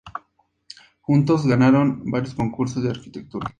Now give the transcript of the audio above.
Juntos ganaron varios concursos de arquitectura.